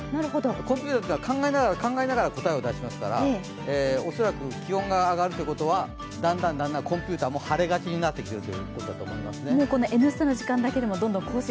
コンピューターというのは考えながら、考えながら答えを出しますから恐らく気温が上がるということはだんだんコンピューターも晴れがちになってくるということですね。